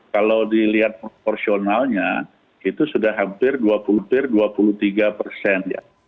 kalau dilihat proporsionalnya itu sudah hampir dua puluh dua puluh tiga persen ya